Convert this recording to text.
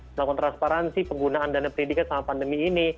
melakukan transparansi penggunaan dana pendidikan selama pandemi ini